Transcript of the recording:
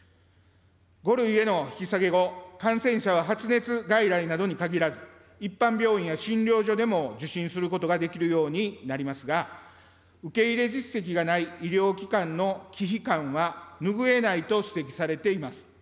５類への引き下げ後、感染者は発熱外来などに限らず、一般病院や診療所でも受診することができるようになりますが、受け入れ実績がない医療機関の忌避感は拭えないと指摘されています。